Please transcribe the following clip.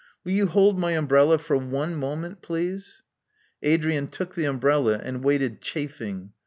Will you hold my umbrella for one moment, pleaser' Adrian took the umbrella, and waited chafing.